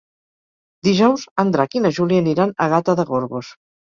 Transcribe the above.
Dijous en Drac i na Júlia aniran a Gata de Gorgos.